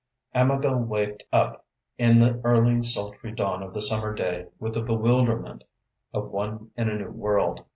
Amabel waked up in the early sultry dawn of the summer day with the bewilderment of one in a new world.